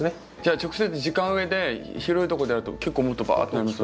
直接じか植えで広いとこでやると結構もっとバーッと大きく？